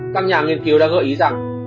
các nhà nghiên cứu đã gợi ý rằng